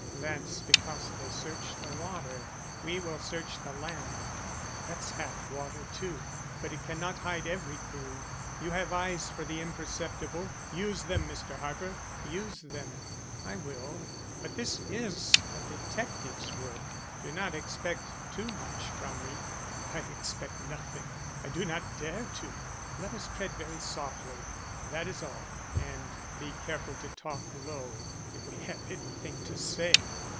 "That's because they search the water. We will search the land." "That's half water, too; but it cannot hide every clew. You have eyes for the imperceptible; use them, Mr. Harper, use them." "I will; but this is a detective's work. Do not expect too much from me." "I expect nothing. I do not dare to. Let us tread very softly, that is all, and be careful to talk low, if we have anything to say."